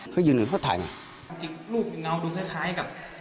เขายืนอยู่น่ะเขาถ่ายพักจึงรูปเงาดูคล้ายค่อยคล้ายกับ